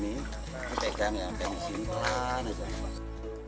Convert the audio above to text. nah ini pegang ya sampai di sini